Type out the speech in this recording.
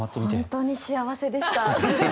本当に幸せでした。